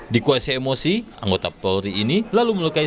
di kuasa emosi anggota polri ini lalu melukai saluran